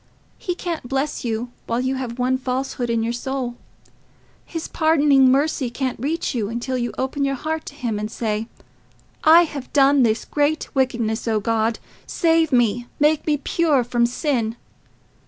He can't bless you while you have one falsehood in your soul; his pardoning mercy can't reach you until you open your heart to him, and say, 'I have done this great wickedness; O God, save me, make me pure from sin.